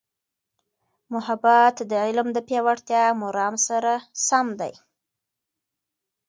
محبت د علم د پیاوړتیا مرام سره سم دی.